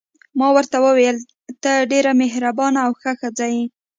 ما ورته وویل: ته ډېره مهربانه او ښه ښځه یې.